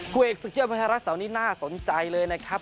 เอกศึกยอดมวยไทยรัฐเสาร์นี้น่าสนใจเลยนะครับ